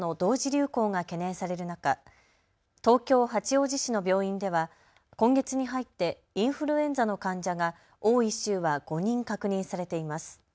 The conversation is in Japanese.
流行が懸念される中、東京八王子市の病院では今月に入ってインフルエンザの患者が多い週は５人確認されています。